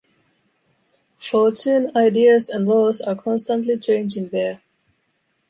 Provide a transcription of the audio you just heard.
Fortune, ideas and laws are constantly changing there.